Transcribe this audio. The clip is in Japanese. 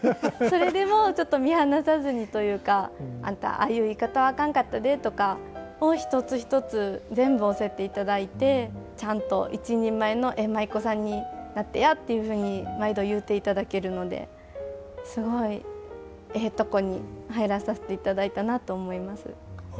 それでもちょっと見放さずにというか「あんたああいう言い方はあかんかったで」とかを一つ一つ全部教えていただいて「ちゃんと一人前のええ舞妓さんになってや」っていうふうに毎度言うていただけるのですごいええとこに入らさせていただいたなと思います。